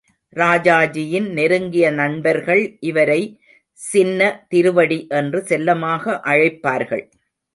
ராஜாஜியின் நெருங்கிய நண்பர்கள் இவரை சின்ன திருவடி என்று செல்லமாக அழைப்பார்கள்.